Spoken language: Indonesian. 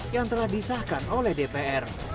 yang telah disahkan oleh dpr